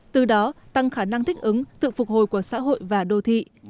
từ đó tăng khả năng thích ứng tự phục hồi của xã hội và đô thị